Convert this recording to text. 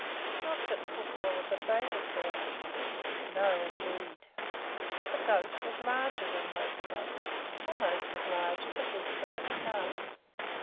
Not that Crookhorn was afraid of Bearhunter, no, indeed! The goat was larger than most goats, about as large as a good sized calf.